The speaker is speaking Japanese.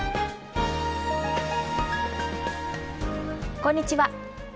こんにちは。